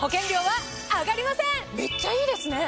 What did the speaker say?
めっちゃいいですね！